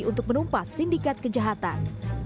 untuk menumpas sindikat kejahatan